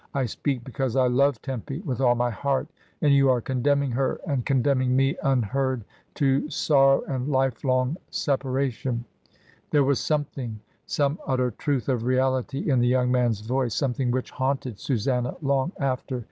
"I speak because I love Tempy with all my heart, and you are condemning her and condemning me un heard to sorrow and life long separation." There was something, some utter truth of reality in the young man's voice, something which haunted 19' 292 MRS. DYMOND, Susanna long after.